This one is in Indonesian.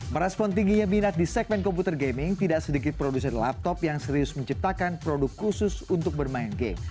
merespon tingginya minat di segmen komputer gaming tidak sedikit produsen laptop yang serius menciptakan produk khusus untuk bermain game